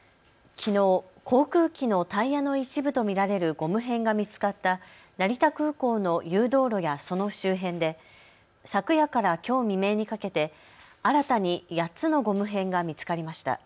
きのう航空機のタイヤの一部と見られるゴム片が見つかった成田空港の誘導路やその周辺で昨夜からきょう未明にかけて新たに８つのゴム片が見つかりました。